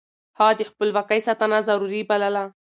هغه د خپلواکۍ ساتنه ضروري بلله.